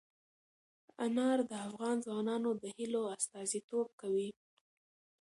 انار د افغان ځوانانو د هیلو استازیتوب کوي.